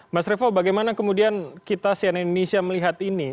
mas revo bagaimana kemudian kita sian indonesia melihat ini